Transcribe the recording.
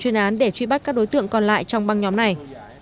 chuyên án để truy bắt các đối tượng còn lại trong băng nhóm này